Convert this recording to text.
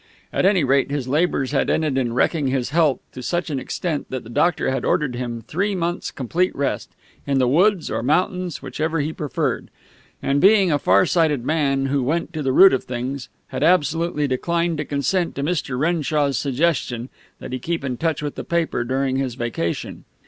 At any rate, his labors had ended in wrecking his health to such an extent that the doctor had ordered him three months' complete rest, in the woods or mountains, whichever he preferred; and, being a farseeing man, who went to the root of things, had absolutely declined to consent to Mr. Renshaw's suggestion that he keep in touch with the paper during his vacation.